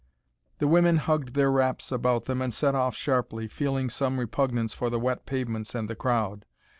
The women hugged their wraps about them, and set off sharply, feeling some repugnance for the wet pavements and the crowd.